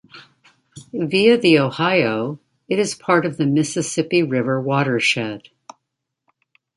Via the Ohio, it is part of the Mississippi River watershed.